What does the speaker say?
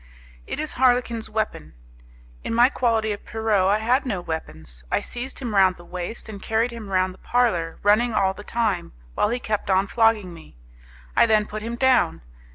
It is Harlequin's weapon. In my quality of Pierrot I had no weapons. I seized him round the waist and carried him round the parlour, running all the time, while he kept on flogging me. I then put him down.